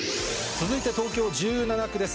続いて東京１７区です。